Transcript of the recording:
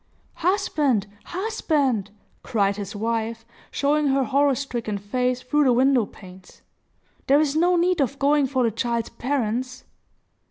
"Husband! husband!" cried his wife, showing her horror stricken face through the window panes. "There is no need of going for the child's parents!"